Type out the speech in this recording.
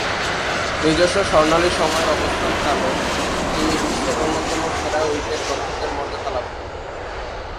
নিজস্ব স্বর্ণালী সময়ে অবস্থানকালে তিনি বিশ্বের অন্যতম সেরা উইকেট-রক্ষকের মর্যাদা লাভ করেন।